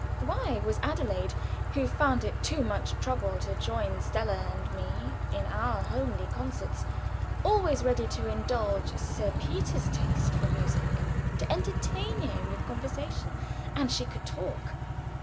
Why was Adelaide, who found it too much trouble to join Stella and me in our homely concerts, always ready to indulge Sir Peter's taste for music, to entertain him with conversation? and she could talk.